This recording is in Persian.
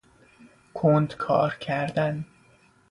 کند کار کردن